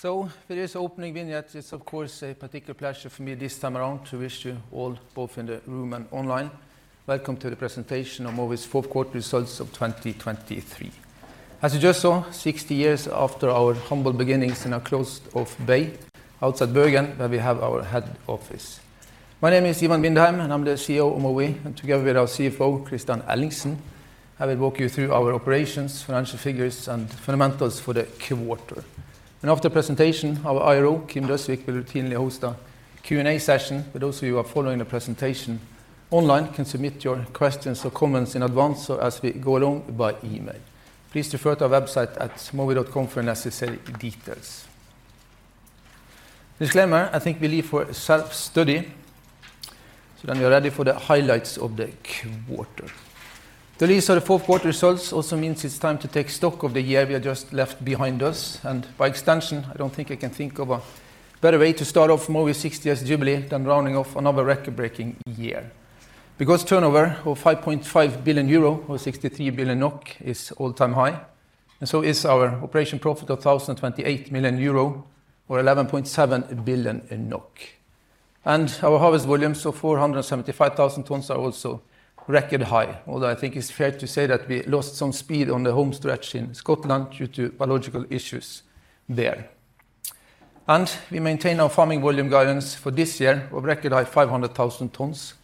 So for this opening vignette, it's of course a particular pleasure for me this time around to wish you all, both in the room and online, welcome to the presentation of Mowi's fourth quarter results of 2023. As you just saw, 60 years after our humble beginnings in a closed-off bay outside Bergen, where we have our head office. My name is Ivan Vindheim, and I'm the CEO of Mowi, and together with our CFO, Kristian Ellingsen, I will walk you through our operations, financial figures, and fundamentals for the fourth quarter. After the presentation, our IRO, Kim Døsvig, will routinely host a Q&A session, but those of you who are following the presentation online can submit your questions or comments in advance or as we go along by email. Please refer to our website at mowi.com for necessary details. Disclaimer, I think we leave for self-study, so then we are ready for the highlights of the quarter. The release of the fourth quarter results also means it's time to take stock of the year we have just left behind us, and by extension, I don't think I can think of a better way to start off Mowi's 60 year jubilee than rounding off another record-breaking year. Because turnover of 5.5 billion euro or 63 billion NOK is all-time high, and so is our operational profit of 1.028 billion euro, or 11.7 billion NOK. Our harvest volumes of 475,000 tons are also record high, although I think it's fair to say that we lost some speed on the home stretch in Scotland due to biological issues there. We maintain our farming volume guidance for this year of record high 500,000 tons,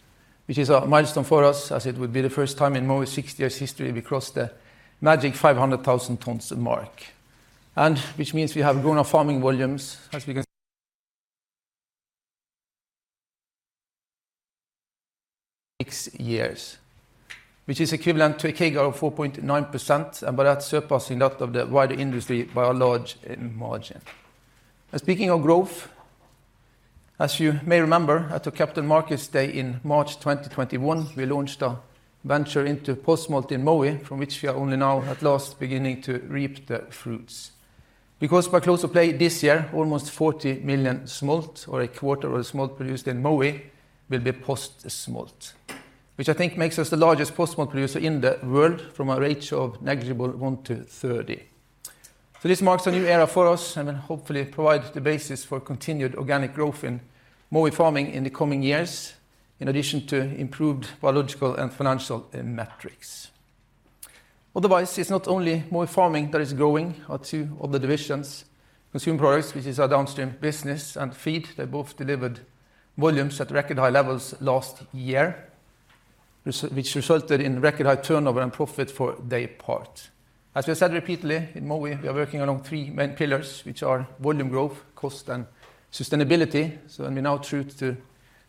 which is a milestone for us, as it would be the first time in Mowi's 60 year history we cross the magic 500,000 tons mark. Which means we have grown our farming volumes over six years, which is equivalent to a CAGR of 4.9%, and by that surpassing that of the wider industry by a large margin. Speaking of growth, as you may remember, at the Capital Markets Day in March 2021, we launched a venture into post-smolt in Mowi, from which we are only now at last beginning to reap the fruits. Because by close of play this year, almost 40 million smolt, or a quarter of the smolt produced in Mowi, will be post-smolt, which I think makes us the largest post-smolt producer in the world, from a ratio of negligible 1/30. So this marks a new era for us, and then hopefully provides the basis for continued organic growth in Mowi farming in the coming years, in addition to improved biological and financial metrics. Otherwise, it's not only Mowi farming that is growing, our two other divisions, consumer products, which is our downstream business, and feed, they both delivered volumes at record high levels last year, which resulted in record high turnover and profit for their part. As we have said repeatedly, in Mowi, we are working on three main pillars, which are volume growth, cost, and sustainability. Let me now, true to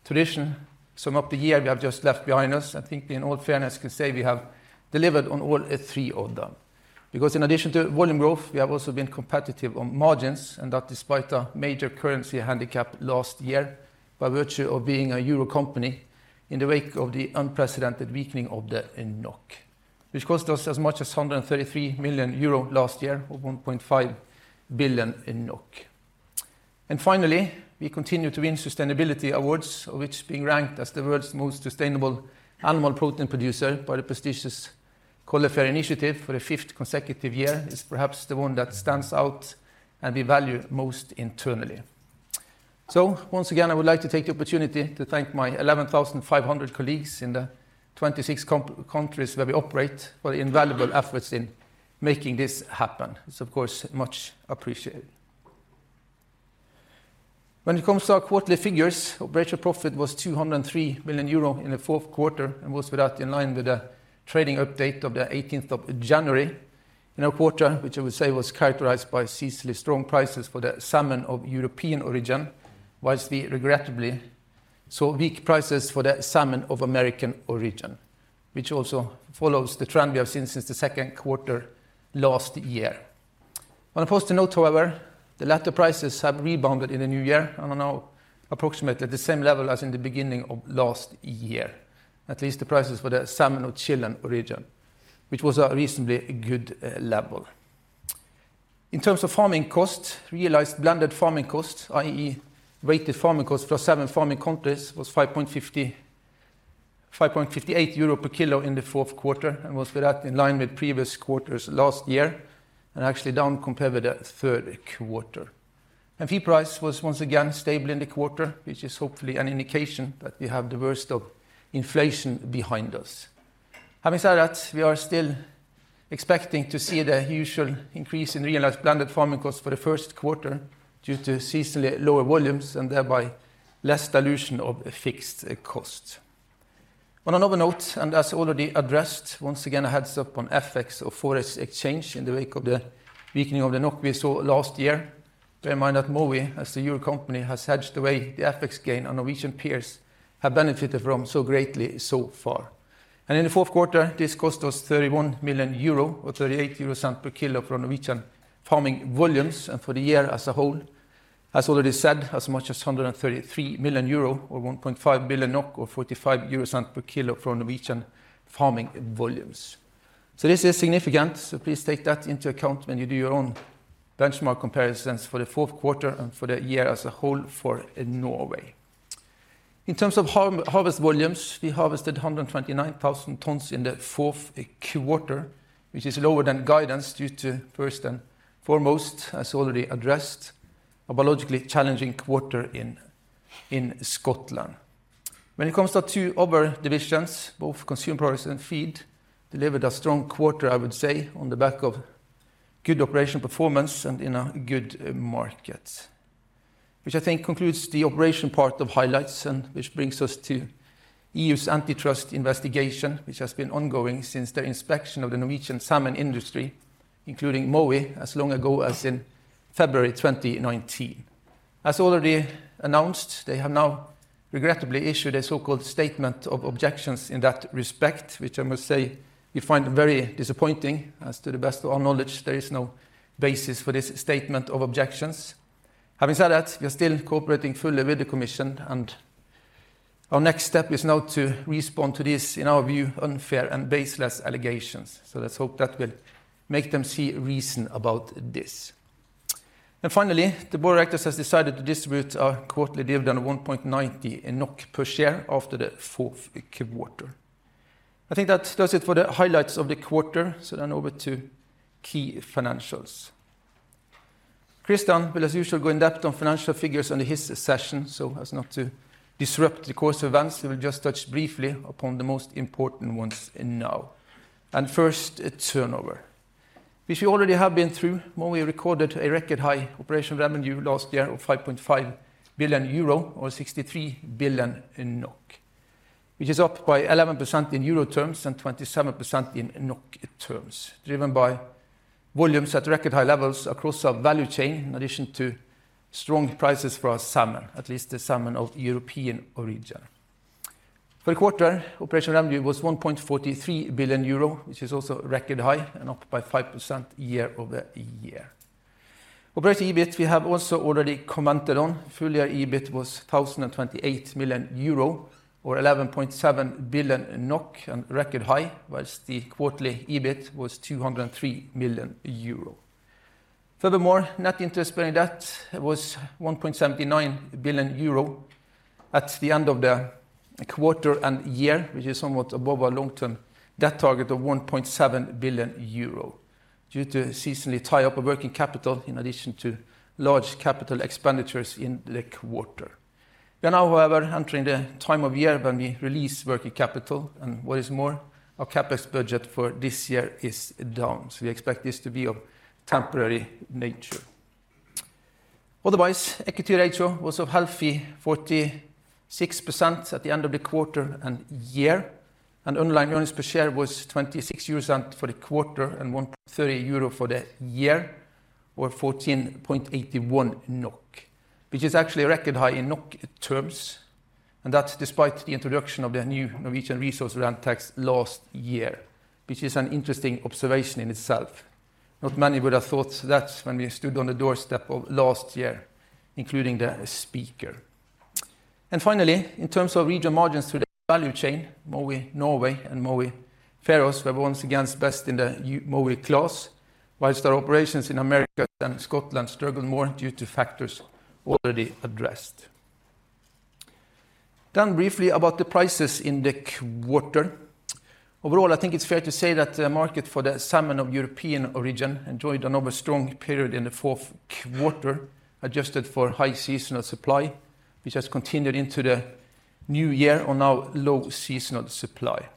tradition, sum up the year we have just left behind us. I think in all fairness we can say we have delivered on all three of them. Because in addition to volume growth, we have also been competitive on margins, and that despite a major currency handicap last year, by virtue of being a euro company in the wake of the unprecedented weakening of the NOK, which cost us as much as 133 million euro last year, or 1.5 billion. Finally, we continue to win sustainability awards, of which being ranked as the world's most sustainable animal protein producer by the prestigious Coller FAIRR initiative for the fifth consecutive year is perhaps the one that stands out and we value most internally. So once again, I would like to take the opportunity to thank my 11,500 colleagues in the 26 countries where we operate for the invaluable efforts in making this happen. It's of course much appreciated. When it comes to our quarterly figures, operational profit was 203 million euro in the fourth quarter and was in line with the trading update of the January 18. In our quarter, which I would say was characterized by seasonally strong prices for the salmon of European origin, while we regrettably saw weak prices for the salmon of American origin, which also follows the trend we have seen since the second quarter last year. On a positive note, however, the latter prices have rebounded in the new year and are now approximately the same level as in the beginning of last year. At least the prices for the salmon of Chilean origin, which was a reasonably good level. In terms of farming costs, realized blended farming costs, i.e., weighted farming costs for seven farming countries, was 5.50, 5.58 euro per kg in the fourth quarter and was in line with previous quarters last year, and actually down compared with the third quarter. And feed price was once again stable in the quarter, which is hopefully an indication that we have the worst of inflation behind us. Having said that, we are still expecting to see the usual increase in realized blended farming costs for the first quarter, due to seasonally lower volumes and thereby less dilution of a fixed cost. On another note, and as already addressed, once again, a heads up on FX or foreign exchange in the wake of the weakening of the NOK we saw last year. Bear in mind that Mowi, as the Euro company, has hedged away the FX gain our Norwegian peers have benefited from so greatly so far. And in the fourth quarter, this cost us 31 million euro or 0.38 per kg for Norwegian farming volumes, and for the year as a whole, as already said, as much as 133 million euro or 1.5 billion NOK or 0.45 euros per kg for Norwegian farming volumes. So this is significant, so please take that into account when you do your own benchmark comparisons for the fourth quarter and for the year as a whole for Norway. In terms of harvest volumes, we harvested 129,000 tons in the fourth quarter, which is lower than guidance due to first and foremost, as already addressed, a biologically challenging quarter in Scotland. When it comes to our two other divisions, both consumer products and feed, delivered a strong quarter, I would say, on the back of good operational performance and in a good market. Which I think concludes the operation part of highlights, and which brings us to EU's antitrust investigation, which has been ongoing since their inspection of the Norwegian salmon industry, including Mowi, as long ago as in February 2019. As already announced, they have now regrettably issued a so-called statement of objections in that respect, which I must say we find very disappointing, as to the best of our knowledge, there is no basis for this statement of objections. Having said that, we are still cooperating fully with the commission, and our next step is now to respond to this, in our view, unfair and baseless allegations. So let's hope that will make them see reason about this. And finally, the board of directors has decided to distribute our quarterly dividend of 1.90 NOK per share after the fourth quarter. I think that does it for the highlights of the quarter, so then over to key financials. Kristian will, as usual, go in-depth on financial figures under his session, so as not to disrupt the course of events, we will just touch briefly upon the most important ones now. First, turnover, which we already have been through, Mowi recorded a record high operational revenue last year of 5.5 billion euro, or 63 billion, which is up by 11% in euro terms and 27% in NOK terms, driven by volumes at record high levels across our value chain, in addition to strong prices for our salmon, at least the salmon of European origin. For the quarter, operational revenue was 1.43 billion euro, which is also a record high and up by 5% year-over-year. Operating EBIT, we have also already commented on. Full year EBIT was 1.028 billion euro, or 11.7 billion NOK and record high, while the quarterly EBIT was 203 million euro. Furthermore, net interest bearing debt was 1.79 billion euro at the end of the quarter and year, which is somewhat above our long-term debt target of 1.7 billion euro, due to a seasonal tie-up of working capital in addition to large capital expenditures in the quarter. We are now, however, entering the time of year when we release working capital, and what is more, our CapEx budget for this year is down, so we expect this to be of temporary nature. Otherwise, equity ratio was a healthy 46% at the end of the quarter and year, and underlying earnings per share was 0.26 euros for the quarter and 1.30 euro for the year, or 14.81 NOK, which is actually a record high in NOK terms, and that's despite the introduction of the new Norwegian resource rent tax last year, which is an interesting observation in itself. Not many would have thought that when we stood on the doorstep of last year, including the speaker. Finally, in terms of regional margins through the value chain, Mowi Norway and Mowi Faroes were once again best in the Mowi class, while our operations in America and Scotland struggled more due to factors already addressed. Briefly about the prices in the quarter. Overall, I think it's fair to say that the market for the salmon of European origin enjoyed another strong period in the fourth quarter, adjusted for high seasonal supply, which has continued into the new year on now low seasonal supply.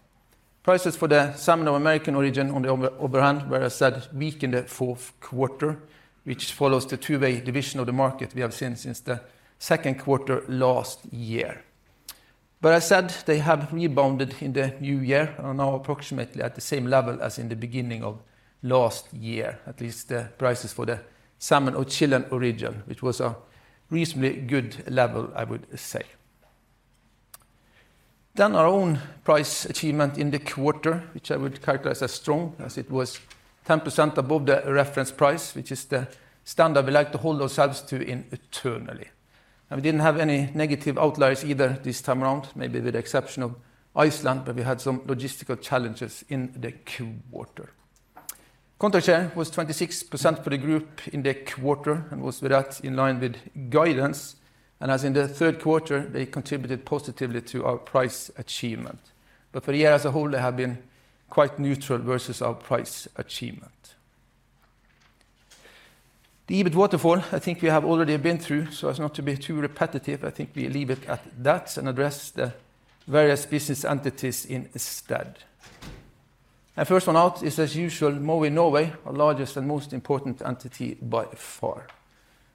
Prices for the salmon of American origin, on the other hand, were as said, weak in the fourth quarter, which follows the two-way division of the market we have seen since the second quarter last year. But as said, they have rebounded in the new year and are now approximately at the same level as in the beginning of last year, at least the prices for the salmon of Chilean origin, which was a reasonably good level, I would say. Then our own price achievement in the quarter, which I would characterize as strong, as it was 10% above the reference price, which is the standard we like to hold ourselves to internally. We didn't have any negative outliers either this time around, maybe with the exception of Iceland, but we had some logistical challenges in the quarter. Contract share was 26% for the group in the quarter and was with that in line with guidance, and as in the third quarter, they contributed positively to our price achievement. For the year as a whole, they have been quite neutral versus our price achievement. The EBIT waterfall, I think we have already been through, so as not to be too repetitive, I think we leave it at that and address the various business entities instead. First one out is, as usual, Mowi Norway, our largest and most important entity by far.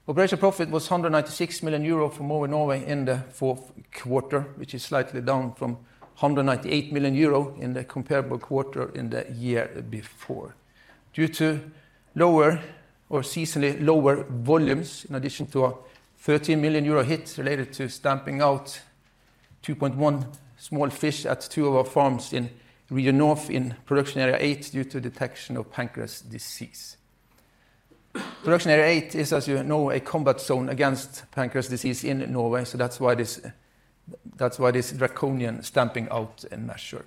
Operational profit was 196 million euro from Mowi Norway in the fourth quarter, which is slightly down from 198 million euro in the comparable quarter in the year before, due to lower or seasonally lower volumes, in addition to a 13 million euro hit related to stamping out 2.1 million small fish at two of our farms in Region North in Production Area 8 due to detection of pancreas disease. Production Area 8 is, as you know, a combat zone against pancreas disease in Norway, so that's why this, that's why this draconian stamping out measure.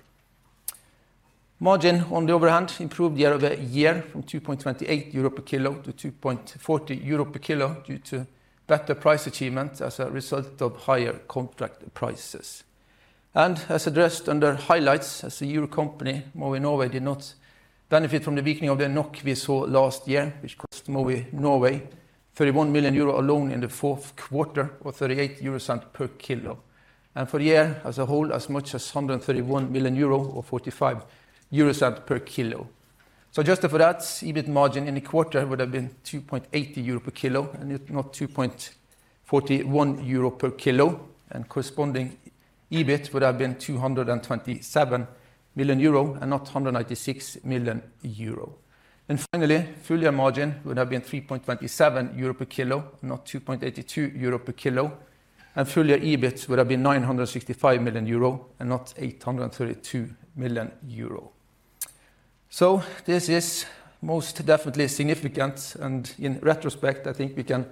Margin, on the other hand, improved year-over-year from 2.28 euro per kg to 2.40 euro per kg due to better price achievement as a result of higher contract prices. As addressed under highlights, as a euro company, Mowi Norway did not benefit from the weakening of the NOK we saw last year, which cost Mowi Norway 31 million euro alone in the fourth quarter, or 0.38 per kg. For the year as a whole, as much as 131 million euro or 0.45 per kg. Adjusted for that, EBIT margin in the quarter would have been 2.80 euro per kg, and if not 2.41 euro per kg, and corresponding EBIT would have been 227 million euro and not 196 million euro. Finally, full year margin would have been 3.27 euro per kg, not 2.82 euro per kg, and full year EBIT would have been 965 million euro and not 832 million euro. So this is most definitely significant, and in retrospect, I think we can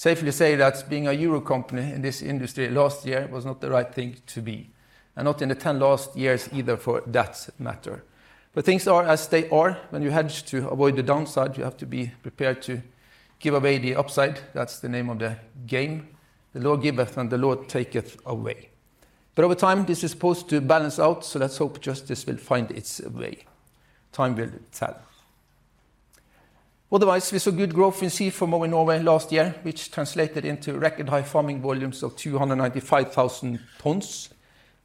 safely say that being a Euro company in this industry last year was not the right thing to be, and not in the 10 last years either, for that matter. But things are as they are. When you hedge to avoid the downside, you have to be prepared to give away the upside. That's the name of the game. The Lord giveth, and the Lord taketh away. But over time, this is supposed to balance out, so let's hope justice will find its way. Time will tell. Otherwise, we saw good growth in sea for Mowi Norway last year, which translated into record high farming volumes of 295,000 tons,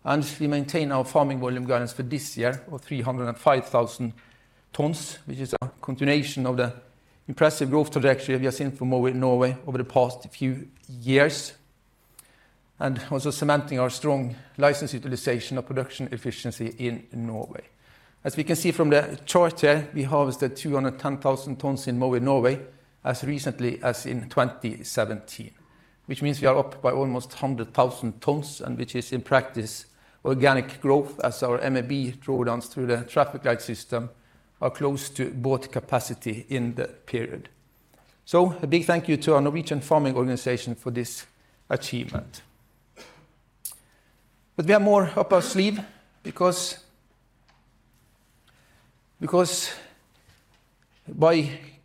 and we maintain our farming volume guidance for this year of 305,000 tons, which is a continuation of the impressive growth trajectory we have seen from Mowi Norway over the past few years, and also cementing our strong license utilization of production efficiency in Norway. As we can see from the chart here, we harvested 210,000 tons in Mowi Norway as recently as in 2017, which means we are up by almost 100,000 tons, and which is in practice, organic growth as our MAB drawdowns through the traffic light system are close to both capacity in the period. So a big thank you to our Norwegian farming organization for this achievement. But we have more up our sleeve because by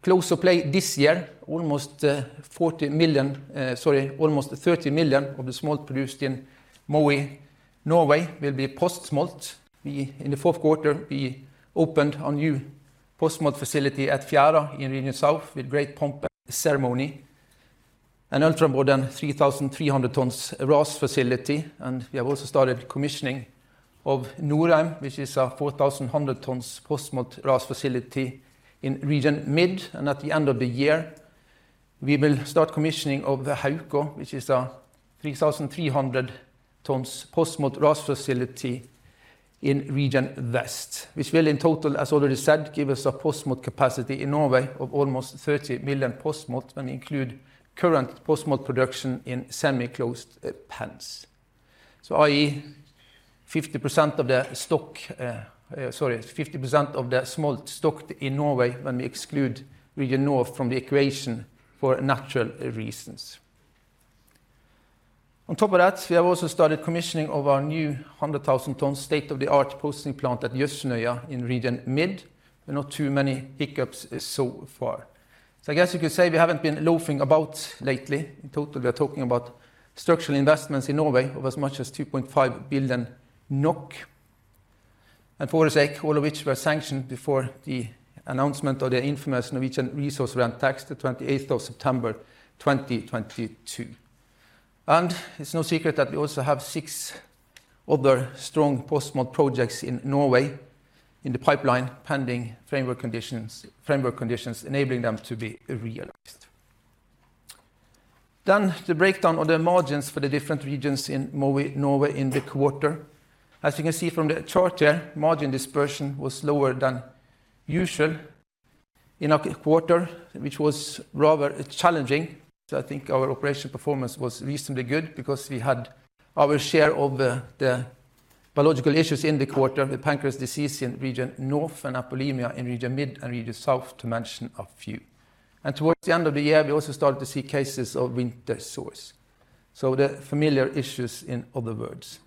close of play this year, almost 40 million, sorry, almost 30 million of the smolt produced in Mowi Norway will be post-smolt. We, in the fourth quarter, we opened our new post-smolt facility at Fjæra in Region South with great pomp and ceremony, an ultra modern 3,300 tons RAS facility, and we have also started commissioning of Nordheim, which is a 4,100 tons post-smolt RAS facility in Region Mid, and at the end of the year, we will start commissioning of the Haukå, which is a 3,300 tons post-smolt RAS facility in Region West, which will in total, as already said, give us a post-smolt capacity in Norway of almost 30 million post-smolt and include current post-smolt production in semi-closed pens. i.e., 50% of the stock, sorry, 50% of the smolt stocked in Norway when we exclude Region North from the equation for natural reasons. On top of that, we have also started commissioning of our new 100,000-ton state-of-the-art processing plant at Jøsnøya in Region Mid, with not too many hiccups so far. I guess you could say we haven't been loafing about lately. In total, we are talking about structural investments in Norway of as much as 2.5 billion NOK, and for the sake, all of which were sanctioned before the announcement of the infamous Norwegian resource rent tax, the 28 of September 2022. It's no secret that we also have six other strong post-smolt projects in Norway in the pipeline, pending framework conditions, framework conditions, enabling them to be realized. Then, the breakdown of the margins for the different regions in Mowi Norway in the quarter. As you can see from the chart here, margin dispersion was lower than usual in a quarter, which was rather challenging. So I think our operation performance was reasonably good because we had our share of the biological issues in the quarter, the pancreas disease in Region North and Apolemia in Region Mid and Region South, to mention a few. And towards the end of the year, we also started to see cases of winter sores. So the familiar issues, in other words.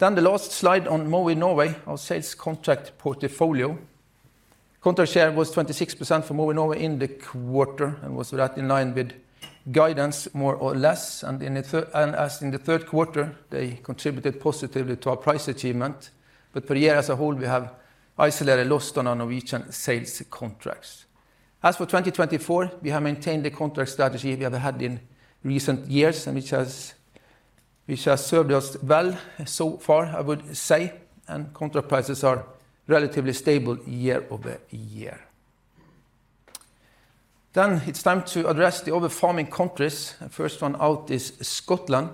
Then the last slide on Mowi Norway, our sales contract portfolio. Contract share was 26% for Mowi Norway in the quarter and was right in line with guidance, more or less, and as in the third quarter, they contributed positively to our price achievement. But for the year as a whole, we have isolated loss on our Norwegian sales contracts. As for 2024, we have maintained the contract strategy we have had in recent years, and which has, which has served us well so far, I would say, and contract prices are relatively stable year-over-year. Then it's time to address the other farming countries. First one out is Scotland.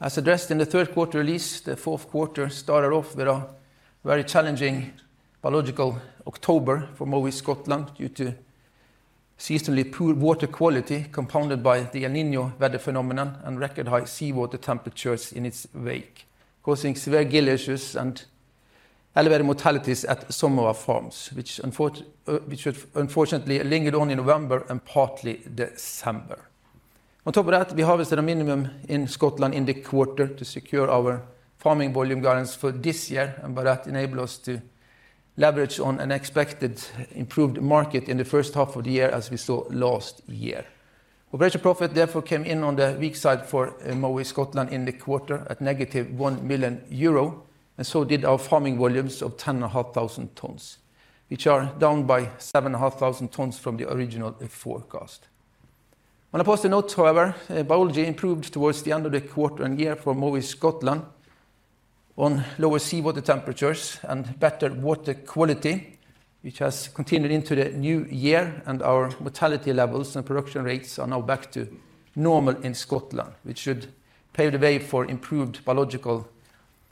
As addressed in the third quarter at least, the fourth quarter started off with a very challenging biological October for Mowi Scotland due to seasonally poor water quality, compounded by the El Niño weather phenomenon and record high seawater temperatures in its wake, causing severe gill issues and elevated mortalities at some of our farms, which unfortunately lingered on in November and partly December. On top of that, we harvested a minimum in Scotland in the quarter to secure our farming volume guidance for this year, and by that enable us to leverage on an expected improved market in the first half of the year, as we saw last year. Operating profit therefore came in on the weak side for Mowi Scotland in the quarter at -1 million euro, and so did our farming volumes of 10,500 tons, which are down by 7,500 tons from the original forecast. On a positive note, however, biology improved towards the end of the quarter and year for Mowi Scotland on lower seawater temperatures and better water quality, which has continued into the new year, and our mortality levels and production rates are now back to normal in Scotland, which should pave the way for improved biological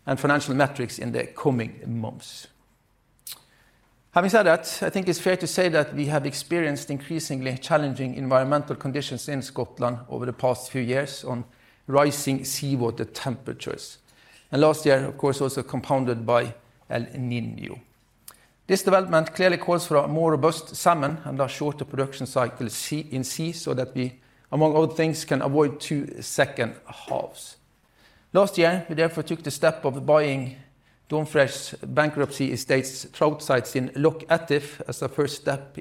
and financial metrics in the coming months. Having said that, I think it's fair to say that we have experienced increasingly challenging environmental conditions in Scotland over the past few years on rising seawater temperatures, and last year, of course, also compounded by El Niño. This development clearly calls for a more robust salmon and a shorter production cycle in sea, so that we, among other things, can avoid two second halves. Last year, we therefore took the step of buying Dawnfresh bankruptcy estate's trout sites in Loch Etive as a first step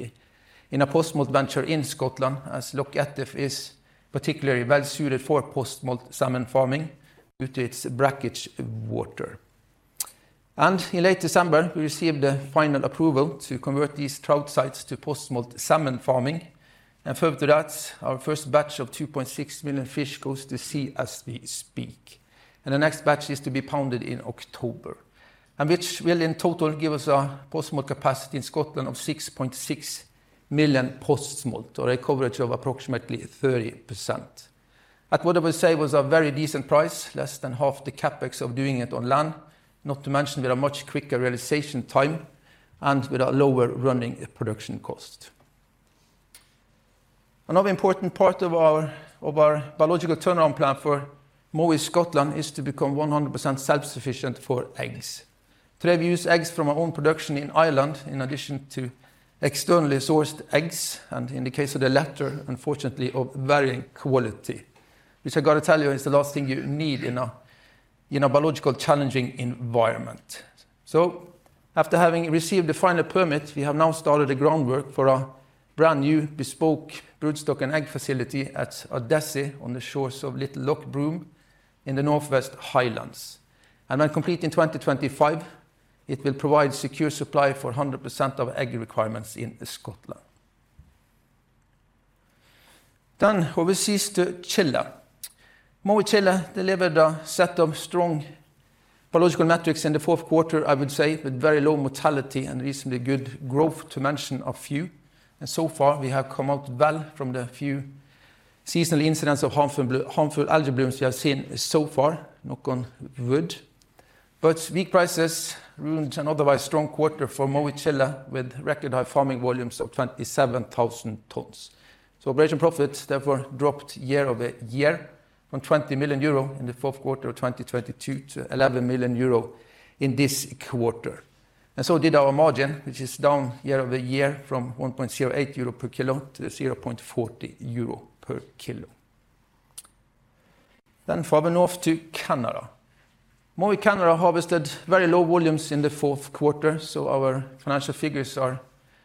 in a post-smolt venture in Scotland, as Loch Etive is particularly well-suited for post-smolt salmon farming due to its brackish water. In late December, we received the final approval to convert these trout sites to post-smolt salmon farming, and further to that, our first batch of 2.6 million fish goes to sea as we speak. The next batch is to be planted in October, which will in total give us a post-smolt capacity in Scotland of 6.6 million post-smolt, or a coverage of approximately 30%. At what I would say was a very decent price, less than half the CapEx of doing it on land, not to mention with a much quicker realization time and with a lower running production cost. Another important part of our biological turnaround plan for Mowi Scotland is to become 100% self-sufficient for eggs. Today, we use eggs from our own production in Ireland, in addition to externally sourced eggs, and in the case of the latter, unfortunately, of varying quality, which I got to tell you, is the last thing you need in a biological challenging environment. So after having received the final permit, we have now started the groundwork for a brand-new bespoke broodstock and egg facility at Ardassie on the shores of Little Loch Broom in the Northwest Highlands. And when complete in 2025, it will provide secure supply for 100% of egg requirements in Scotland. Then overseas to Chile. Mowi Chile delivered a set of strong biological metrics in the fourth quarter, I would say, with very low mortality and reasonably good growth, to mention a few. And so far, we have come out well from the few seasonal incidents of harmful algae blooms we have seen so far, knock on wood. But weak prices ruined an otherwise strong quarter for Mowi Chile, with record-high farming volumes of 27,000 tons. So operational profits therefore dropped year-over-year from 20 million euro in the fourth quarter of 2022 to 11 million euro in this quarter. And so did our margin, which is down year-over-year from 1.08 euro per kg to 0.40 euro per kg. Then further north to Canada. Mowi Canada harvested very low volumes in the fourth quarter, so our financial figures are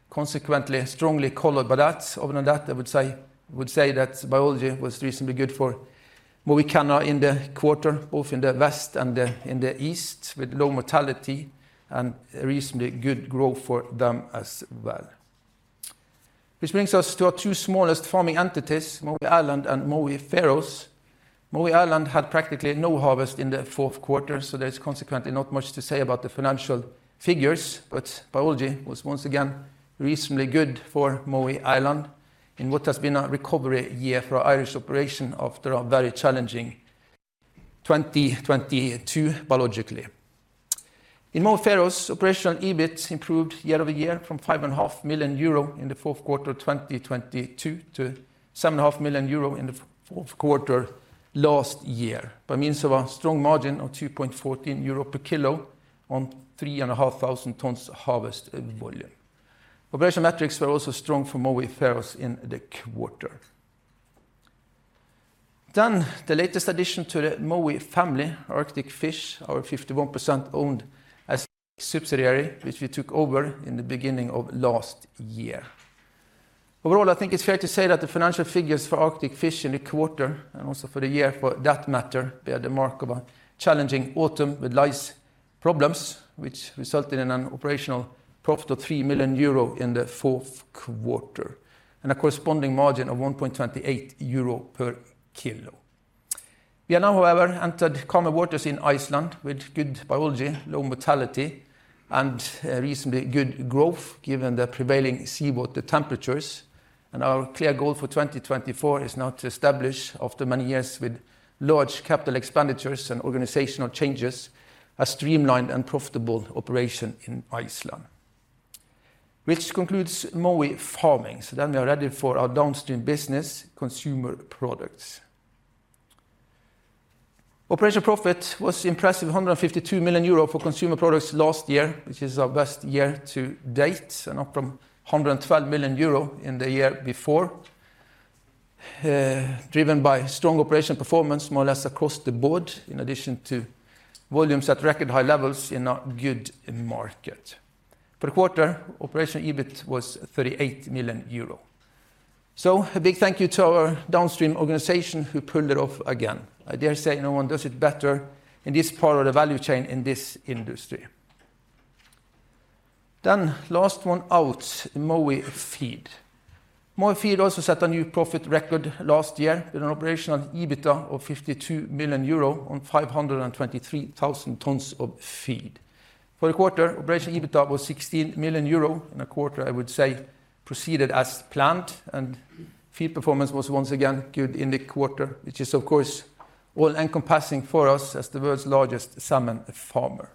consequently strongly colored by that. Other than that, I would say that biology was reasonably good for Mowi Canada in the quarter, both in the west and in the east, with low mortality and reasonably good growth for them as well. Which brings us to our two smallest farming entities, Mowi Ireland and Mowi Faroes. Mowi Ireland had practically no harvest in the fourth quarter, so there's consequently not much to say about the financial figures, but biology was once again reasonably good for Mowi Ireland in what has been a recovery year for our Irish operation after a very challenging 2022 biologically. In Mowi Faroes, operational EBIT improved year-over-year from 5.5 million euro in the fourth quarter of 2022 to 7.5 million euro in the fourth quarter last year, by means of a strong margin of 2.14 euro per kg on 3,500 tons harvest volume. Operational metrics were also strong for Mowi Faroes in the quarter. Then, the latest addition to the Mowi family, Arctic Fish, our 51%-owned subsidiary, which we took over in the beginning of last year. Overall, I think it's fair to say that the financial figures for Arctic Fish in the quarter, and also for the year for that matter, bear the mark of a challenging autumn with lice problems, which resulted in an operational profit of 3 million euro in the fourth quarter, and a corresponding margin of 1.28 euro per kg. We are now, however, entered calmer waters in Iceland, with good biology, low mortality, and reasonably good growth, given the prevailing seawater temperatures. And our clear goal for 2024 is now to establish, after many years with large capital expenditures and organizational changes, a streamlined and profitable operation in Iceland. Which concludes Mowi farming. So then we are ready for our downstream business, consumer products. Operational profit was impressive, 152 million euro for consumer products last year, which is our best year to date, and up from 112 million euro in the year before. Driven by strong operational performance, more or less across the board, in addition to volumes at record high levels in a good market. For the quarter, operational EBIT was 38 million euro. So a big thank you to our downstream organization who pulled it off again. I dare say, no one does it better in this part of the value chain in this industry. Then last one out, Mowi Feed. Mowi Feed also set a new profit record last year with an operational EBITDA of 52 million euro on 523,000 tons of feed. For the quarter, operational EBITDA was 16 million euro, and a quarter, I would say, proceeded as planned, and feed performance was once again good in the quarter, which is, of course, all-encompassing for us as the world's largest salmon farmer.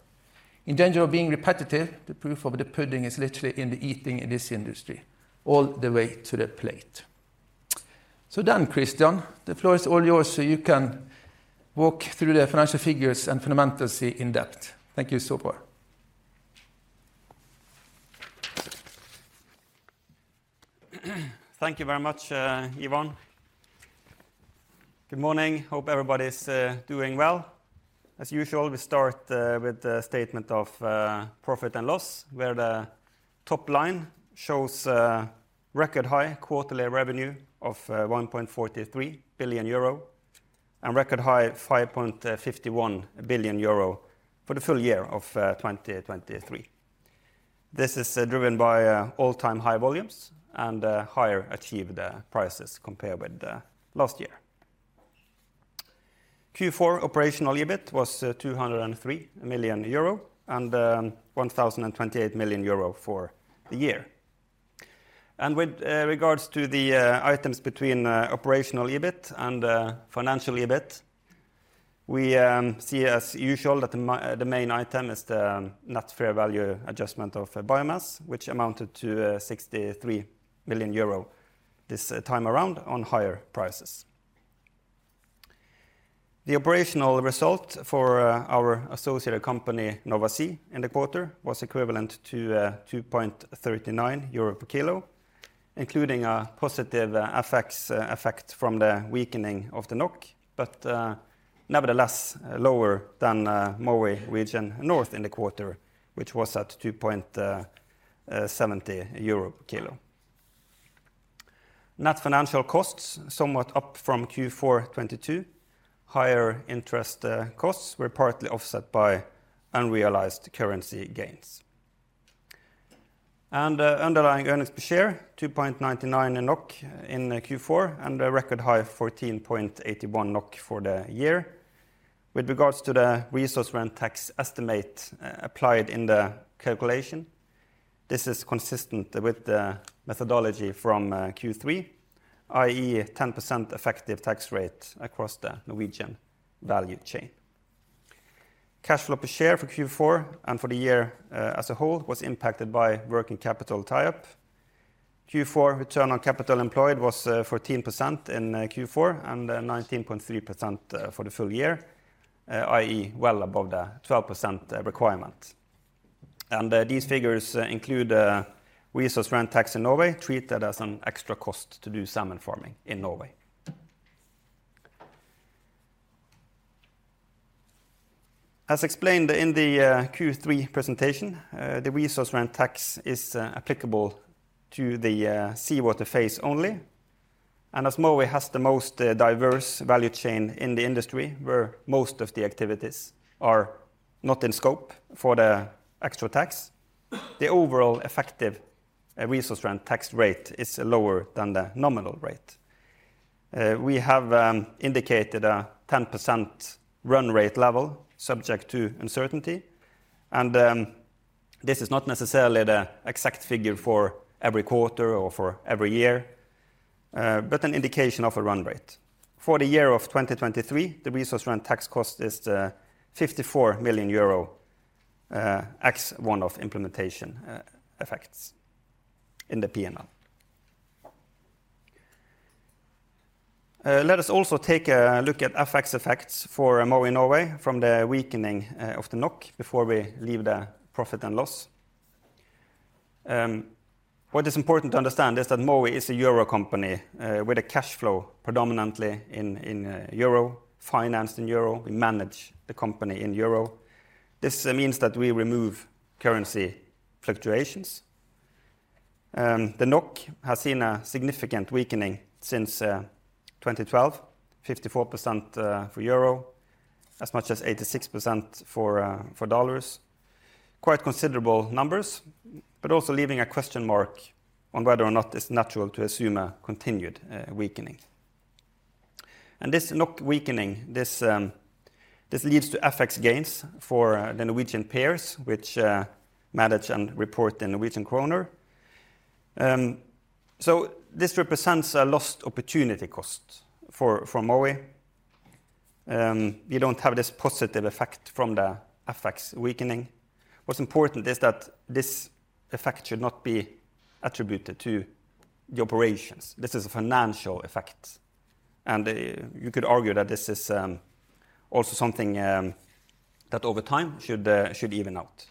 In danger of being repetitive, the proof of the pudding is literally in the eating in this industry, all the way to the plate. So then, Kristian, the floor is all yours, so you can walk through the financial figures and fundamentals in depth. Thank you so far. Thank you very much, Ivan. Good morning. Hope everybody's doing well. As usual, we start with the statement of profit and loss, where the top line shows a record high quarterly revenue of 1.43 billion euro and record high 5.51 billion euro for the full year of 2023. This is driven by all-time high volumes and higher achieved prices compared with the last year. Q4 operational EBIT was 203 million euro and 1.028 billion euro for the year. With regards to the items between operational EBIT and financial EBIT, we see as usual that the main item is the net fair value adjustment of biomass, which amounted to 63 million euro this time around on higher prices. The operational result for our associated company, Nova Sea, in the quarter was equivalent to 2.39 euro per kg, including a positive effect from the weakening of the NOK, but nevertheless, lower than Mowi Region North in the quarter, which was at 2.70 euro per kg. Net financial costs, somewhat up from Q4 2022. Higher interest costs were partly offset by unrealized currency gains. Underlying earnings per share, 2.99 in Q4 and a record high 14.81 NOK for the year. With regards to the resource rent tax estimate applied in the calculation, this is consistent with the methodology from Q3, i.e., 10% effective tax rate across the Norwegian value chain. Cash flow per share for Q4 and for the year as a whole was impacted by working capital tie-up. Q4 return on capital employed was 14% in Q4 and 19.3% for the full year, i.e., well above the 12% requirement. These figures include resource rent tax in Norway, treated as an extra cost to do salmon farming in Norway. As explained in the Q3 presentation, the resource rent tax is applicable to the seawater phase only. As Mowi has the most diverse value chain in the industry, where most of the activities are not in scope for the extra tax, the overall effective resource rent tax rate is lower than the nominal rate. We have indicated a 10% run rate level subject to uncertainty, and this is not necessarily the exact figure for every quarter or for every year, but an indication of a run rate. For the year of 2023, the resource rent tax cost is 54 million euro, ex one-off implementation effects in the P&L. Let us also take a look at FX effects for Mowi Norway from the weakening of the NOK before we leave the profit and loss. What is important to understand is that Mowi is a euro company, with a cash flow predominantly in euro, financed in euro, we manage the company in euro. This means that we remove currency fluctuations. The NOK has seen a significant weakening since 2012, 54% for euro, as much as 86% for dollars. Quite considerable numbers, but also leaving a question mark on whether or not it's natural to assume a continued weakening. This NOK weakening leads to FX gains for the Norwegian peers, which manage and report the Norwegian kroner. So this represents a lost opportunity cost for Mowi. You don't have this positive effect from the FX weakening. What's important is that this effect should not be attributed to the operations. This is a financial effect, and you could argue that this is also something that over time should even out.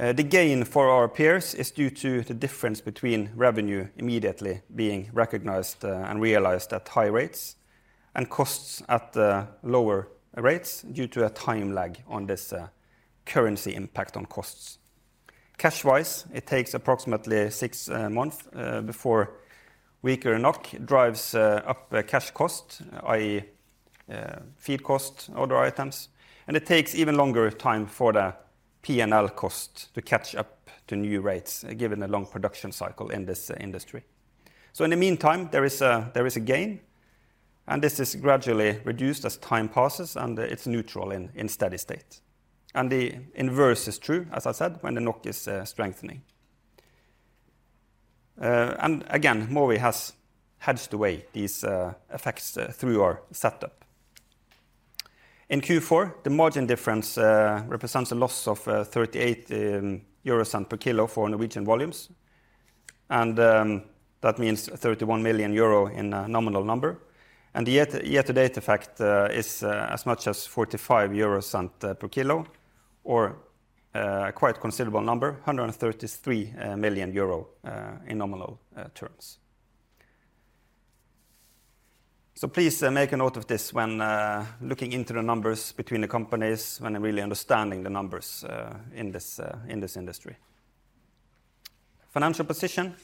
The gain for our peers is due to the difference between revenue immediately being recognized and realized at high rates, and costs at lower rates due to a time lag on this currency impact on costs. Cash-wise, it takes approximately six months before weaker NOK drives up the cash cost, i.e., feed cost, other items. And it takes even longer time for the P&L cost to catch up to new rates, given the long production cycle in this industry. So in the meantime, there is a gain, and this is gradually reduced as time passes, and it's neutral in steady state. And the inverse is true, as I said, when the NOK is strengthening. And again, Mowi has hedged away these effects through our setup. In Q4, the margin difference represents a loss of 0.38 per kg for Norwegian volumes, and that means 31 million euro in a nominal number. And the year-to-year-to-date effect is as much as 0.45 per kg or a quite considerable number, 133 million euro in nominal terms. So please make a note of this when looking into the numbers between the companies, when really understanding the numbers in this industry. Financial position.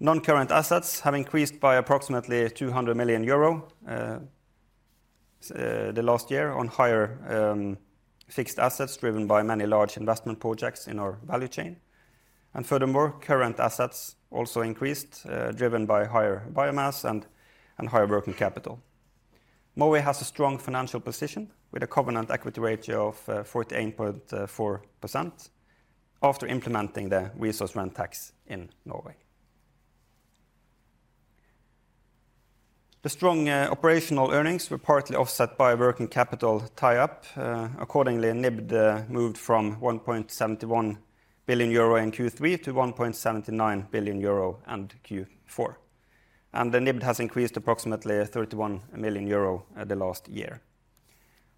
Non-current assets have increased by approximately 200 million euro the last year on higher fixed assets, driven by many large investment projects in our value chain. And furthermore, current assets also increased driven by higher biomass and higher working capital. Mowi has a strong financial position, with a covenant equity ratio of 48.4% after implementing the resource rent tax in Norway. The strong operational earnings were partly offset by working capital tie-up. Accordingly, NIBD moved from 1.71 billion euro in Q3 to 1.79 billion euro in Q4. The NIBD has increased approximately 31 million euro over the last year.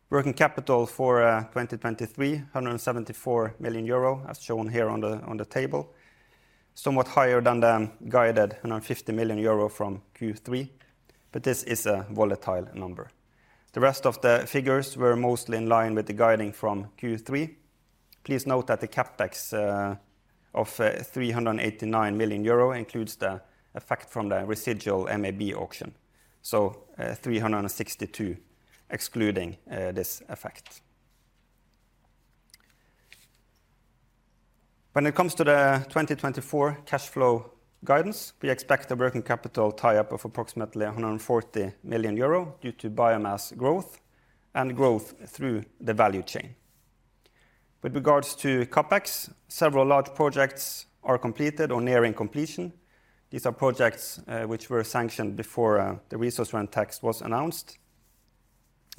Working capital for 2023, 174 million euro, as shown here on the table, somewhat higher than the guided around 50 million euro from Q3, but this is a volatile number. The rest of the figures were mostly in line with the guiding from Q3. Please note that the CapEx of 389 million euro includes the effect from the residual MAB auction, so 362 million, excluding this effect. When it comes to the 2024 cash flow guidance, we expect a working capital tie-up of approximately 140 million euro, due to biomass growth and growth through the value chain. With regards to CapEx, several large projects are completed or nearing completion. These are projects which were sanctioned before the resource rent tax was announced.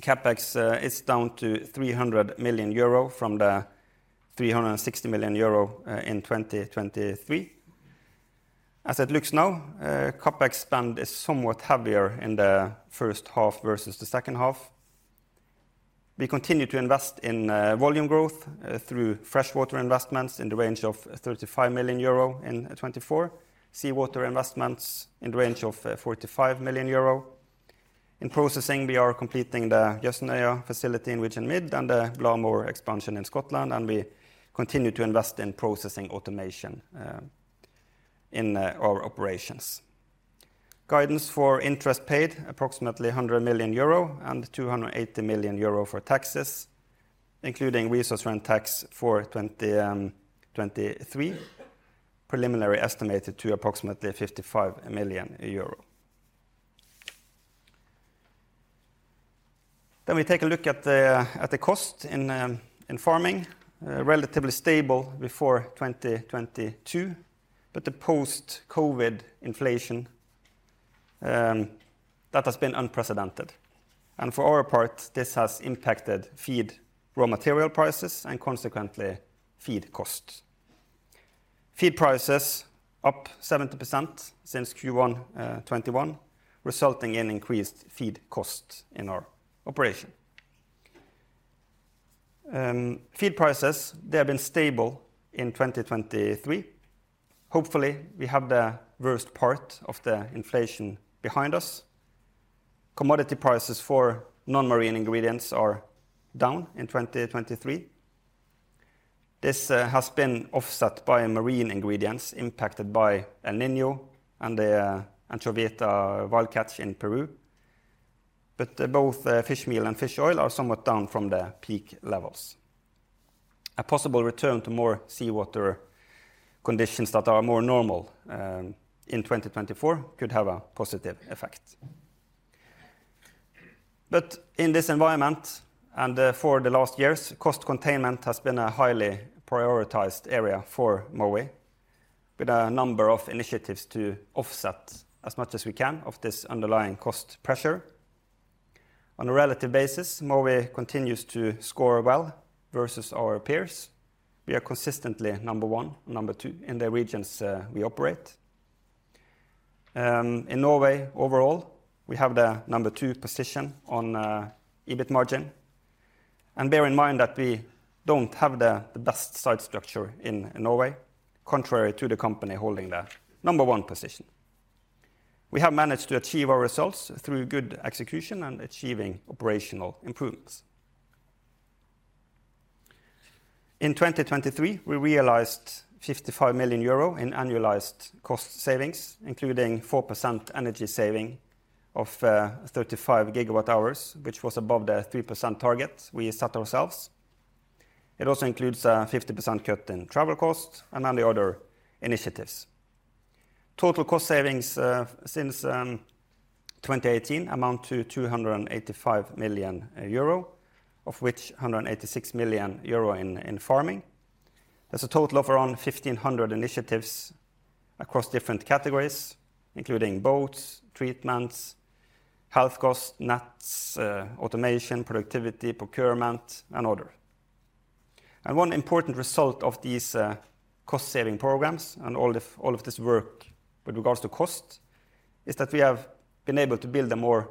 CapEx is down to 300 million euro from the 360 million euro in 2023. As it looks now, CapEx spend is somewhat heavier in the first half versus the second half. We continue to invest in volume growth through freshwater investments in the range of 35 million euro in 2024, seawater investments in the range of 45 million euro. In processing, we are completing the Jøsnøya facility in which Mid and the Blar Mhor expansion in Scotland, and we continue to invest in processing automation in our operations. Guidance for interest paid approximately 100 million euro and 280 million euro for taxes, including resource rent tax for 2023. Preliminary estimated to approximately 55 million euro. Then we take a look at the cost in farming. Relatively stable before 2022, but the post-COVID inflation that has been unprecedented. And for our part, this has impacted feed raw material prices and consequently, feed costs. Feed prices up 70% since Q1 2021, resulting in increased feed costs in our operation. Feed prices, they have been stable in 2023. Hopefully, we have the worst part of the inflation behind us. Commodity prices for non-marine ingredients are down in 2023. This has been offset by marine ingredients impacted by El Niño and the anchoveta wild catch in Peru. But both fishmeal and fish oil are somewhat down from the peak levels. A possible return to more seawater conditions that are more normal in 2024 could have a positive effect. But in this environment, and for the last years, cost containment has been a highly prioritized area for Mowi, with a number of initiatives to offset as much as we can of this underlying cost pressure. On a relative basis, Mowi continues to score well versus our peers. We are consistently number one, number two in the regions we operate. In Norway overall, we have the number two position on EBIT margin. And bear in mind that we don't have the best site structure in Norway, contrary to the company holding the number one position. We have managed to achieve our results through good execution and achieving operational improvements. In 2023, we realized 55 million euro in annualized cost savings, including 4% energy saving of 35 GWh, which was above the 3% target we set ourselves. It also includes a 50% cut in travel costs and many other initiatives. Total cost savings since 2018 amount to 285 million euro, of which 186 million euro in farming. There's a total of around 1,500 initiatives across different categories, including boats, treatments, health costs, nets, automation, productivity, procurement, and other. One important result of these cost-saving programs and all of this work with regards to cost is that we have been able to build a more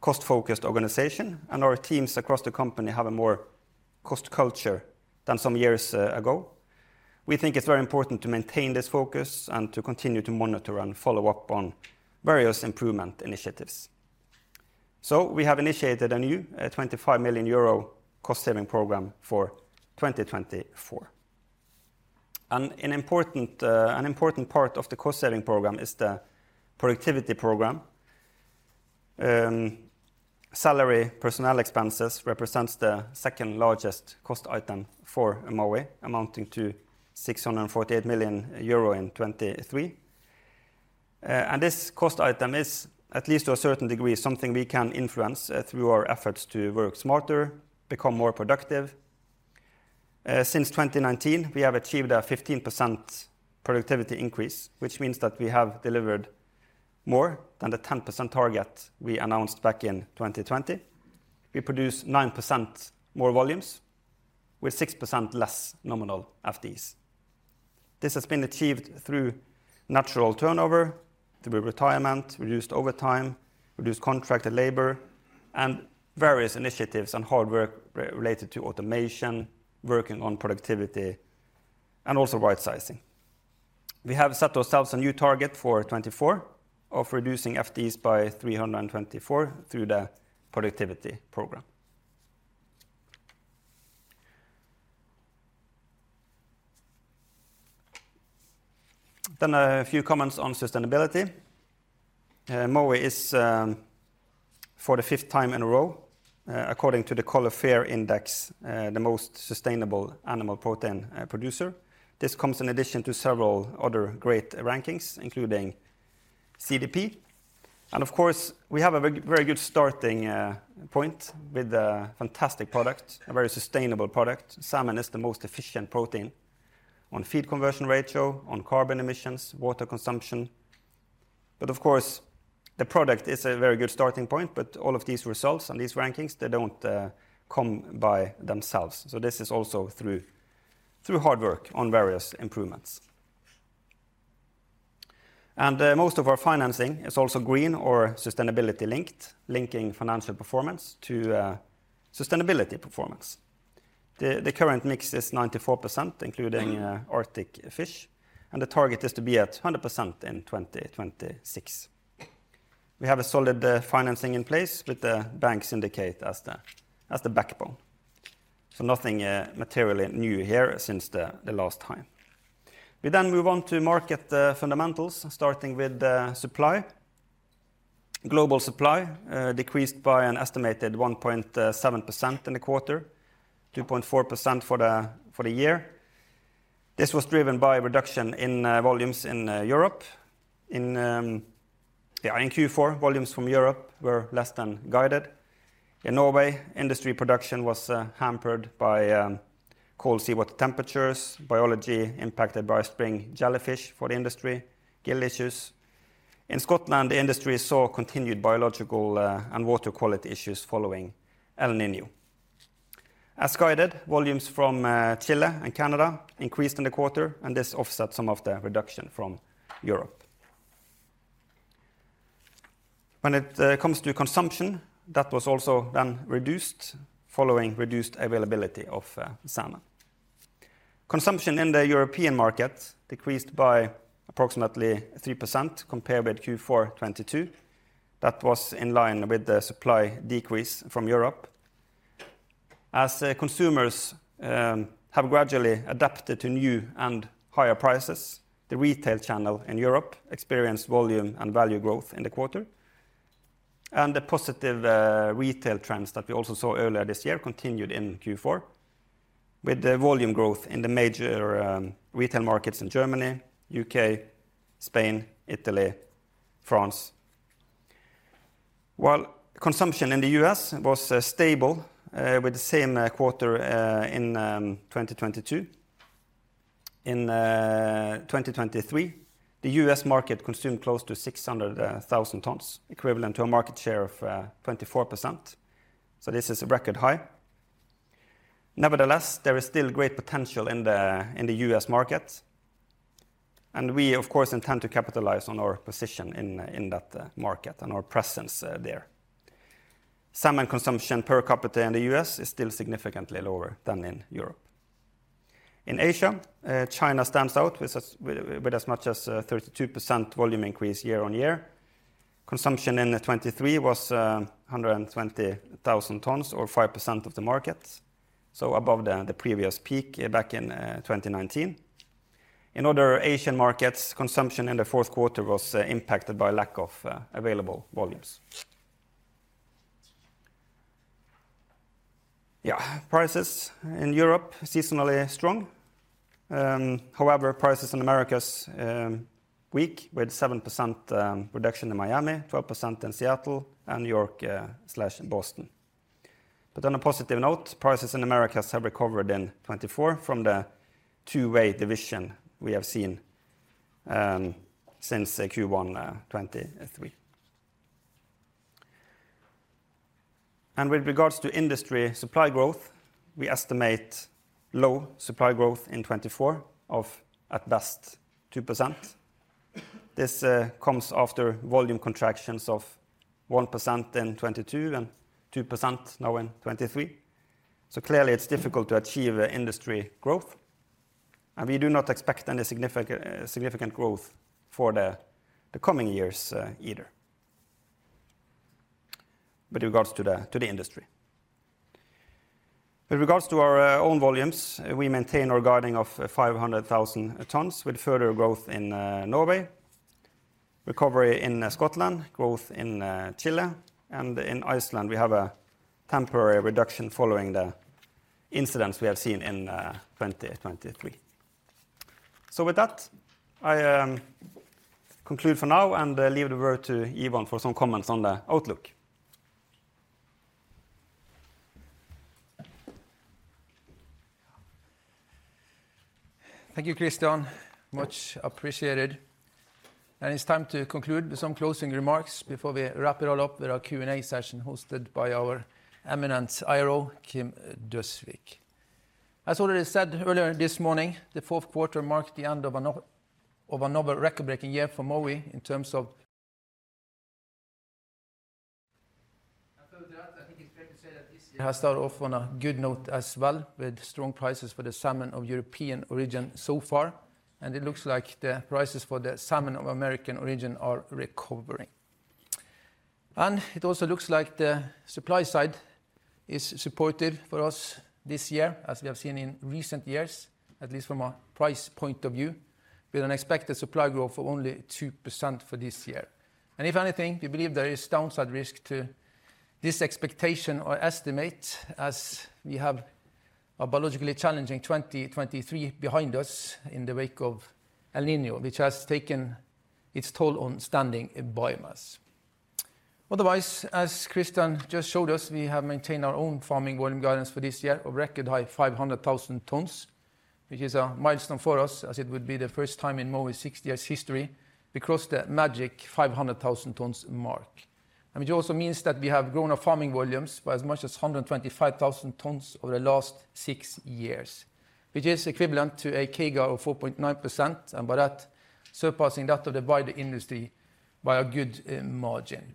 cost-focused organization, and our teams across the company have a more cost culture than some years ago. We think it's very important to maintain this focus and to continue to monitor and follow up on various improvement initiatives. So we have initiated a new 25 million euro cost-saving program for 2024. An important part of the cost-saving program is the productivity program. Salary, personnel expenses represents the second-largest cost item for Mowi, amounting to 648 million euro in 2023. And this cost item is, at least to a certain degree, something we can influence through our efforts to work smarter, become more productive. Since 2019, we have achieved a 15% productivity increase, which means that we have delivered more than the 10% target we announced back in 2020. We produce 9% more volumes with 6% less nominal FTEs. This has been achieved through natural turnover, through retirement, reduced overtime, reduced contracted labor, and various initiatives and hard work related to automation, working on productivity, and also right sizing. We have set ourselves a new target for 2024 of reducing FTEs by 324 through the productivity program. Then a few comments on sustainability. Mowi is, for the fifth time in a row, according to the Coller FAIRR Index, the most sustainable animal protein producer. This comes in addition to several other great rankings, including CDP. And of course, we have a very, very good starting point with a fantastic product, a very sustainable product. Salmon is the most efficient protein on feed conversion ratio, on carbon emissions, water consumption. But of course, the product is a very good starting point, but all of these results and these rankings, they don't come by themselves. So this is also through hard work on various improvements. And, most of our financing is also green or sustainability linked, linking financial performance to, sustainability performance. The current mix is 94%, including Arctic Fish, and the target is to be at 100% in 2026. We have a solid financing in place with the bank syndicate as the backbone. So nothing materially new here since the last time. We then move on to market fundamentals, starting with the supply. Global supply decreased by an estimated 1.7% in the quarter, 2.4% for the year. This was driven by a reduction in volumes in Europe. In Q4, volumes from Europe were less than guided. In Norway, industry production was hampered by cold seawater temperatures, biology impacted by spring jellyfish for the industry, gill issues. In Scotland, the industry saw continued biological and water quality issues following El Niño. As guided, volumes from Chile and Canada increased in the quarter, and this offset some of the reduction from Europe. When it comes to consumption, that was also then reduced following reduced availability of salmon. Consumption in the European market decreased by approximately 3% compared with Q4 2022. That was in line with the supply decrease from Europe. As consumers have gradually adapted to new and higher prices, the retail channel in Europe experienced volume and value growth in the quarter. And the positive retail trends that we also saw earlier this year continued in Q4, with the volume growth in the major retail markets in Germany, U.K., Spain, Italy, France. While consumption in the U.S. was stable with the same quarter in 2022. In 2023, the U.S. market consumed close to 600,000 tons, equivalent to a market share of 24%. So this is a record high. Nevertheless, there is still great potential in the U.S. market, and we of course intend to capitalize on our position in that market and our presence there. Salmon consumption per capita in the U.S. is still significantly lower than in Europe. In Asia, China stands out with as much as 32% volume increase year-on-year. Consumption in 2023 was 120,000 tons, or 5% of the market, so above the previous peak back in 2019. In other Asian markets, consumption in the fourth quarter was impacted by lack of available volumes. Prices in Europe seasonally strong. However, prices in Americas weak, with 7% reduction in Miami, 12% in Seattle, and New York/Boston. But on a positive note, prices in Americas have recovered in 2024 from the two-way division we have seen since Q1 2023. And with regards to industry supply growth, we estimate low supply growth in 2024 of at best 2%. This comes after volume contractions of 1% in 2022 and 2% now in 2023. So clearly, it's difficult to achieve industry growth, and we do not expect any significant, significant growth for the, the coming years, either, with regards to the, to the industry. With regards to our own volumes, we maintain our guiding of 500,000 tons, with further growth in Norway, recovery in Scotland, growth in Chile, and in Iceland, we have a temporary reduction following the incidents we have seen in 2023. So with that, I conclude for now and leave the word to Ivan for some comments on the outlook. Thank you, Kristian. Much appreciated. It's time to conclude with some closing remarks before we wrap it all up with our Q&A session, hosted by our eminent IRO, Kim Døsvig. As already said earlier this morning, the fourth quarter marked the end of another record-breaking year for Mowi in terms of... After that, I think it's fair to say that this year has started off on a good note as well, with strong prices for the salmon of European origin so far, and it looks like the prices for the salmon of American origin are recovering. It also looks like the supply side is supportive for us this year, as we have seen in recent years, at least from a price point of view, with an expected supply growth of only 2% for this year. And if anything, we believe there is downside risk to this expectation or estimate, as we have a biologically challenging 2023 behind us in the wake of El Niño, which has taken its toll on standing biomass. Otherwise, as Kristian just showed us, we have maintained our own farming volume guidance for this year, a record high 500,000 tons, which is a milestone for us, as it would be the first time in Mowi's 60 years history we cross the magic 500,000 tons mark. And which also means that we have grown our farming volumes by as much as 125,000 tons over the last six years, which is equivalent to a CAGR of 4.9%, and by that, surpassing that of the wider industry by a good margin.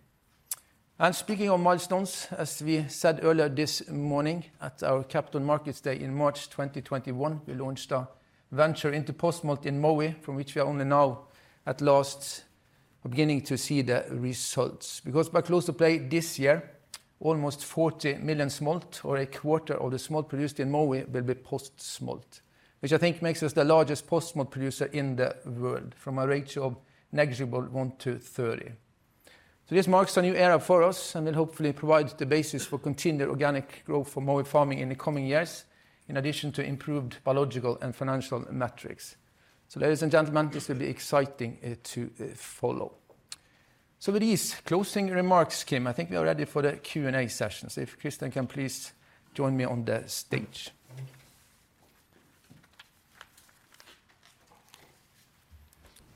Speaking of milestones, as we said earlier this morning at our Capital Markets Day in March 2021, we launched a venture into post-smolt in Mowi, from which we are only now at last beginning to see the results. Because by close of play this year, almost 40 million smolt, or a quarter of the smolt produced in Mowi, will be post-smolt, which I think makes us the largest post-smolt producer in the world, from a ratio of negligible 1/30. This marks a new era for us, and it hopefully provides the basis for continued organic growth for Mowi farming in the coming years, in addition to improved biological and financial metrics. Ladies and gentlemen, this will be exciting to follow. With these closing remarks, Kim, I think we are ready for the Q&A session. If Kristian can please join me on the stage.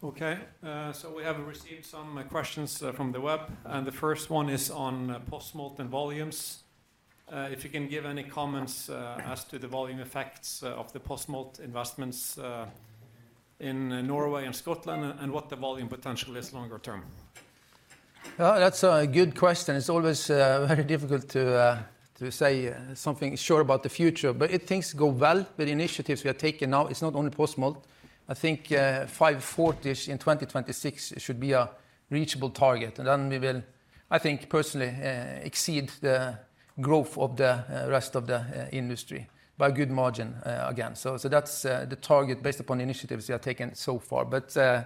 Okay, so we have received some questions from the web, and the first one is on post-smolt and volumes. If you can give any comments as to the volume effects of the post-smolt investments in Norway and Scotland, and what the volume potential is longer term? That's a good question. It's always very difficult to say something sure about the future. But if things go well with the initiatives we are taking now, it's not only post-smolt, I think, 540-ish in 2026 should be a reachable target. And then we will, I think, personally, exceed the growth of the rest of the industry by a good margin, again. So that's the target based upon the initiatives we have taken so far. But yeah,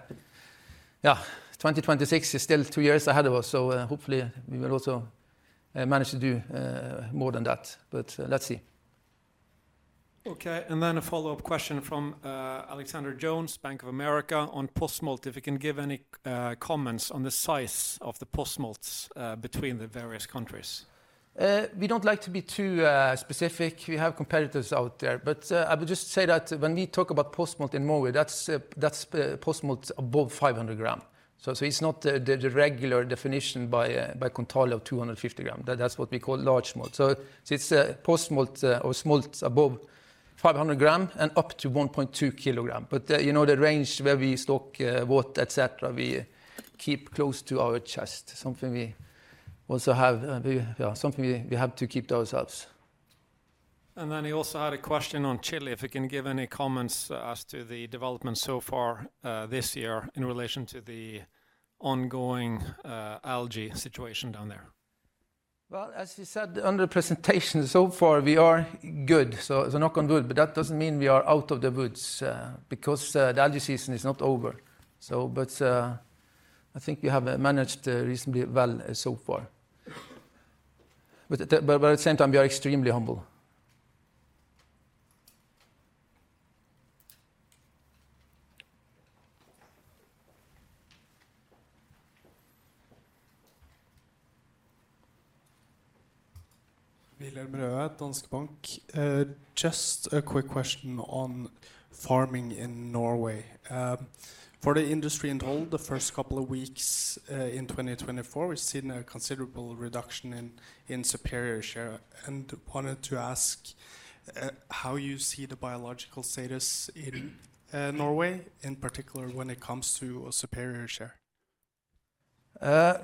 2026 is still two years ahead of us, so hopefully, we will also manage to do more than that. But let's see. Okay, and then a follow-up question from Alexander Jones, Bank of America, on post-smolt. If you can give any comments on the size of the post-smolts between the various countries? We don't like to be too specific. We have competitors out there. But I would just say that when we talk about post-smolt in Mowi, that's post-smolts above 500 gram. So it's not the regular definition by control of 250 g. That's what we call large smolt. So it's a post-smolt or smolts above 500 g and up to 1.2 kg. But you know, the range where we stock, what, et cetera, we keep close to our chest. Something we also have, we have to keep to ourselves. And then he also had a question on Chile, if you can give any comments as to the development so far, this year in relation to the ongoing algae situation down there. Well, as we said under presentation, so far we are good, so knock on wood, but that doesn't mean we are out of the woods, because the algae season is not over. So but, I think we have managed reasonably well so far. But at the same time, we are extremely humble. Wilhelm Røe, Danske Bank. Just a quick question on farming in Norway. For the industry in total, the first couple of weeks in 2024, we've seen a considerable reduction in, in superior share, and wanted to ask how you see the biological status in Norway, in particular, when it comes to a superior share?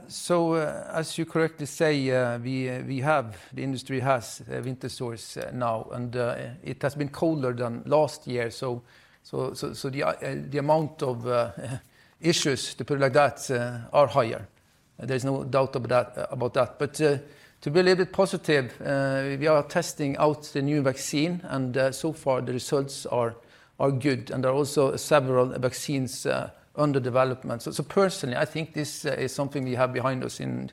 So, as you correctly say, we have—the industry has winter sores now, and it has been colder than last year. So, the amount of issues, to put it like that, are higher. There's no doubt about that. But, to be a little bit positive, we are testing out the new vaccine, and so far the results are good, and there are also several vaccines under development. So, personally, I think this is something we have behind us in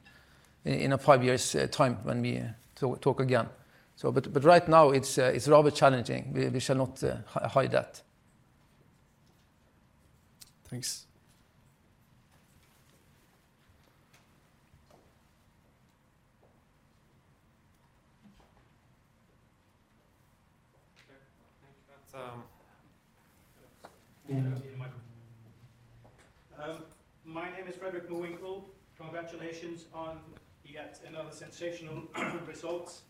a five years time when we talk again. So but, right now, it's rather challenging. We shall not hide that. Thanks. Okay, thank you. That's... Give me your microphone. My name is Frederick Newinkle. Congratulations on yet another sensational results.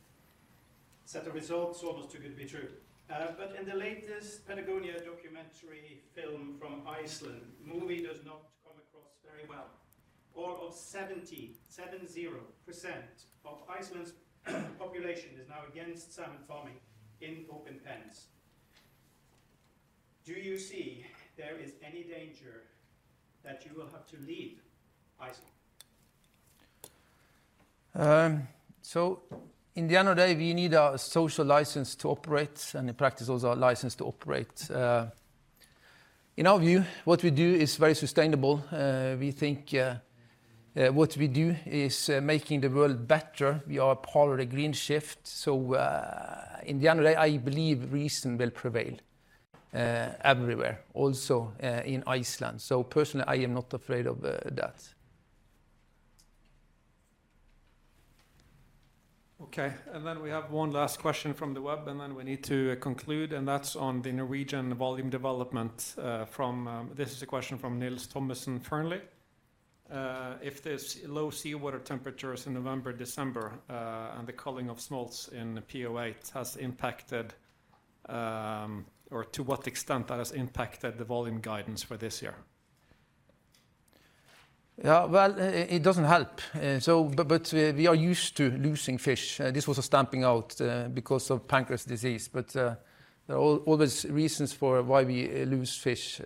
Set of results, almost too good to be true. But in the latest Patagonia documentary film from Iceland, Mowi does not come across very well. Over 70% of Iceland's population is now against salmon farming in open pens. Do you see there is any danger that you will have to leave Iceland? So in the end of the day, we need a social license to operate, and in practice, also a license to operate. In our view, what we do is very sustainable. We think what we do is making the world better. We are a part of the green shift, so in the end of the day, I believe reason will prevail everywhere, also in Iceland. So personally, I am not afraid of that. Okay, and then we have one last question from the web, and then we need to conclude, and that's on the Norwegian volume development from Nils Thommesen, Fearnley. If the low seawater temperatures in November, December, and the culling of smolts in PO8 has impacted, or to what extent that has impacted the volume guidance for this year? Yeah, well, it doesn't help. But we are used to losing fish. This was a stamping out because of pancreas disease. But there are always reasons for why we lose fish.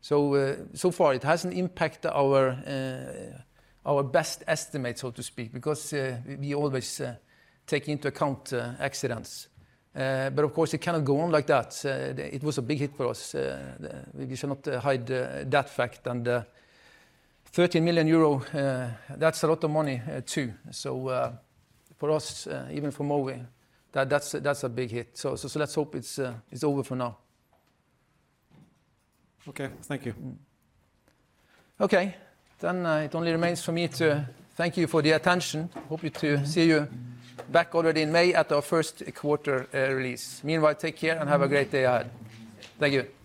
So far, it hasn't impacted our best estimate, so to speak, because we always take into account accidents. But of course, it cannot go on like that. It was a big hit for us. We should not hide that fact. And 13 million euro, that's a lot of money too. So for us, even for Mowi, that's a big hit. So let's hope it's over for now. Okay, thank you. Okay. Then, it only remains for me to thank you for the attention. Hope you to see you back already in May at our first quarter, release. Meanwhile, take care and have a great day ahead. Thank you.